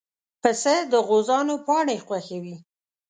پسه د غوزانو پاڼې خوښوي.